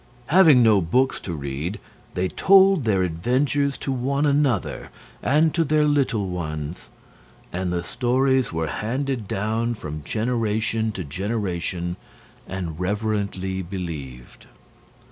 Having no books to read they told their adventures to one another and to their little ones; and the stories were handed down from generation to generation and reverently believed.